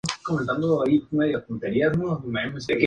La revista especializa en literatura hispana.